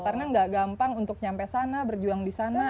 karena gak gampang untuk nyampe sana berjuang di sana